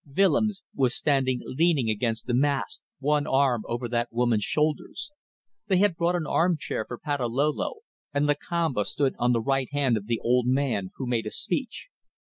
Willems was standing leaning against the mast, one arm over that woman's shoulders. They had brought an armchair for Patalolo, and Lakamba stood on the right hand of the old man, who made a speech.